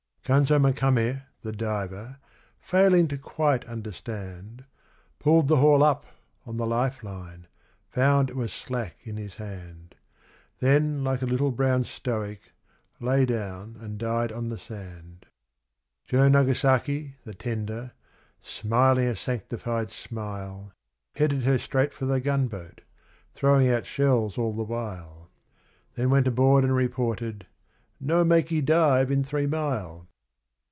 Kanzo Makame, the diver, failing to quite understand, Pulled the 'haul up' on the life line, found it was slack in his hand; Then, like a little brown stoic, lay down and died on the sand. Joe Nagasaki, the 'tender', smiling a sanctified smile, Headed her straight for the gunboat throwing out shells all the while Then went aboard and reported, 'No makee dive in three mile!